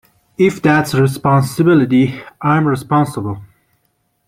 If that's responsibility, I am responsible.